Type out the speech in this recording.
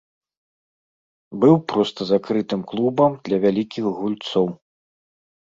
Быў проста закрытым клубам для вялікіх гульцоў.